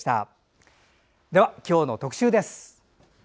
今日の特集です。